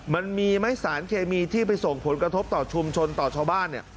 มันมีไหมสารเคมีที่ไปส่งผลกระทบต่อชุมชนต่อชาวบ้านเนี่ย